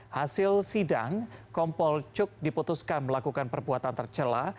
hasil sidang kompol cuk diputuskan melakukan perbuatan tercelah